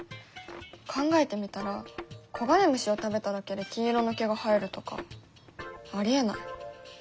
考えてみたら黄金虫を食べただけで金色の毛が生えるとかありえない。